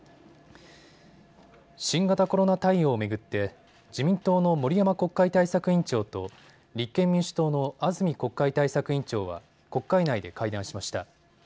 新型コロナ対応を巡って自民党の森山国会対策委員長と立憲民主党の安住国会対策委員長は国会内で会談しました。